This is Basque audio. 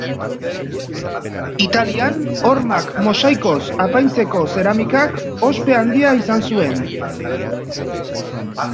Italian hormak mosaikoz apaintzeko zeramikak ospe handia izan zuen